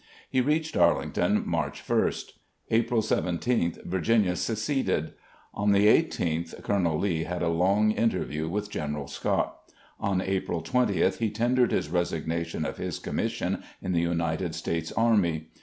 He reached Arlington March ist. April 17th, Virginia seceded. On the i8th Colonel Lee had a long inter view with General Scott. On April 20th he tendered his resignation of his commission in the United States Army.